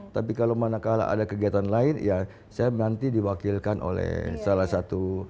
tapi kalau manakala ada kegiatan lain ya saya nanti diwakilkan oleh salah satu